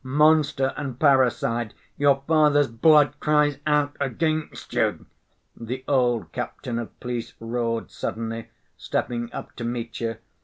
Monster and parricide! Your father's blood cries out against you!" the old captain of police roared suddenly, stepping up to Mitya.